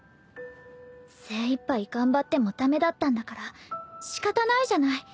精いっぱい頑張っても駄目だったんだから仕方ないじゃない。